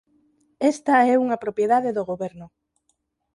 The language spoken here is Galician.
Esta é unha propiedade do goberno.